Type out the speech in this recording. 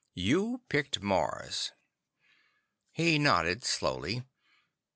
You picked Mars." He nodded slowly.